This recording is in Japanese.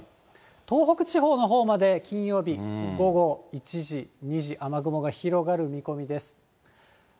東北地方のほうまで金曜日午後１時、２時、雨雲が広がる見込みです。